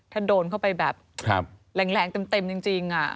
ถ้าโดนเข้าไปแบบแรงเต็มจริง